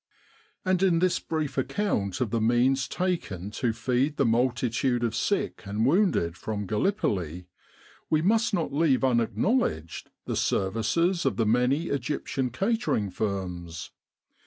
And in this brief account of the means taken to feed the multitude of sick and wounded from Gallipoli, we must not leave unacknowledged the services of the many Egyptian catering firms.